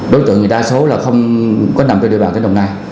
đối tượng thì đa số là không có nằm trên địa bàn tỉnh đồng nai